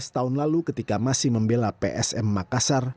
tujuh belas tahun lalu ketika masih membela psm makassar